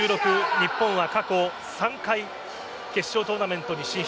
日本は過去３回決勝トーナメントに進出。